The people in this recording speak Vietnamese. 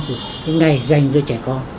thì cái ngày dành cho trẻ con